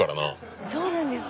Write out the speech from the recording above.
そうなんですか？